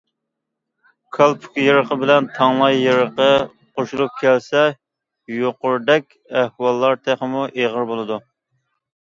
كالپۇك يېرىقى بىلەن تاڭلاي يېرىقى قوشۇلۇپ كەلسە يۇقىرىدەك ئەھۋاللار تېخىمۇ ئېغىر بولىدۇ.